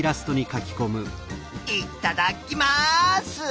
いっただっきます！